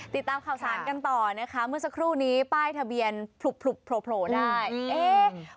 ติดตามข่าวสารกันต่อนะคะเมื่อสักครู่นี้ป้ายทะเบียนผลุบโผล่ได้เอ๊ะ